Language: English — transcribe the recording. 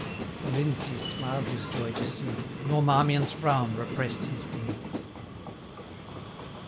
The Lindesay smiled his joy to see; 635 Nor Marmion's frown repress'd his glee.